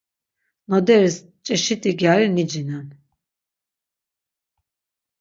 Noderis çeşit̆i gyari nicinen.